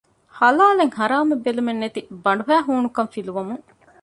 ޙަލާލެއް ޙަރާމެއް ބެލުމެއްނެތި ބަނޑުހައި ހޫނުކަން ފިލުވަމުން